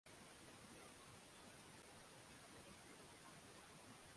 aliye madarakani na Rais Mstaafu kutoka vyama